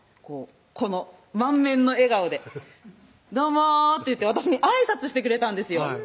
この満面の笑顔で「どうも」って言って私にあいさつしてくれたんですよ